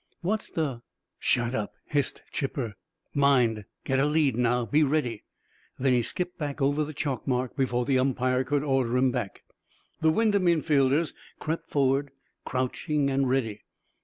"What's the " "Shut up!" hissed Chipper. "Mind! Get a lead now! Be ready!" Then he skipped back over the chalk mark before the umpire could order him back. The Wyndham infielders crept forward, crouching and ready.